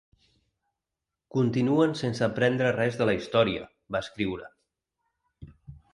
Continuen sense aprendre res de la història, va escriure.